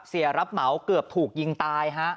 เสียรับเหมาเกือบถูกยิงตายฮะ